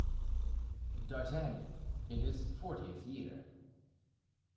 D'Artagnan in his Fortieth Year.